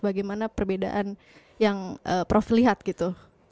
bagaimana perbedaan yang prof lihat gitu